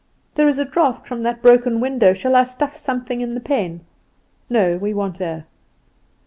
"There is a draught from that broken window: shall I stuff something in the pane?" "No, we want air."